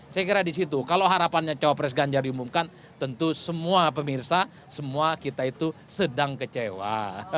saya kira di situ kalau harapannya cawapres ganjar diumumkan tentu semua pemirsa semua kita itu sedang kecewa